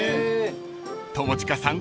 ［友近さん